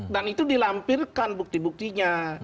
dan itu dilampirkan bukti buktinya